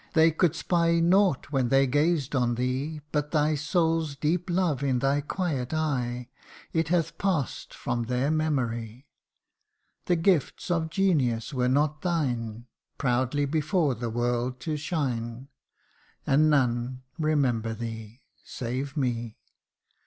they could spy Nought, when they gazed on thee, But thy soul's deep love in thy quiet eye It hath pass'd from their memory. The gifts of genius were not thine Proudly before the world to shine And none remember thee Save me